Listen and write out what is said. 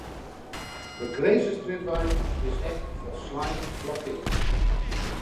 De Grinzerstrjitwei is ek folslein blokkeard.